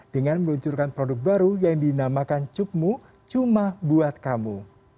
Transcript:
dengan meluncurkan produk baru yang dinamakan cupmu cuma buat kamu